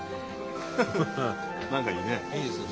何かいいね。